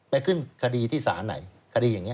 ไปขึ้นคดีที่ศาลไหนคดีอย่างนี้